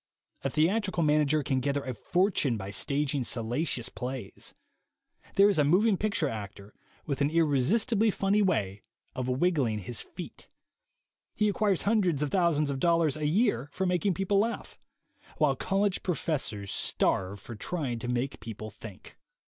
A theatrical manager can gather a fortune by stag ing salacious plays. There is a moving picture actor with an irresistibly funny way of wiggling his feet. He acquires hundreds of thousands of dollars a year for making people laugh; while college pro fessors starve for trying to make people think.